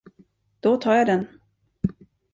Då tar jag den.